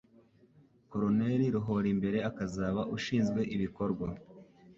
Colonel Ruhorimbere akazaba ushinzwe ibikorwa